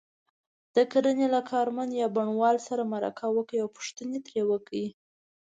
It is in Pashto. د کرنې له کارمند یا بڼوال سره مرکه وکړئ او پوښتنې ترې وکړئ.